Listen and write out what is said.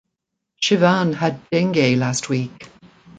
Shivam had dengue last week.